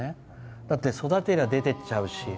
だって育てりゃ出ていっちゃうし。